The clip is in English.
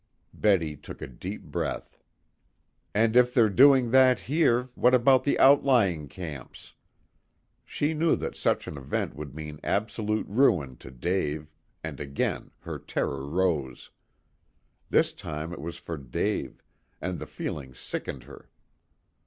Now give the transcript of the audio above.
Betty took a deep breath. "And if they're doing that here, what about the outlying camps?" She knew that such an event would mean absolute ruin to Dave, and again her terror rose. This time it was for Dave, and the feeling sickened her.